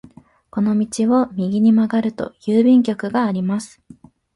この道を右に曲がると郵便局があります。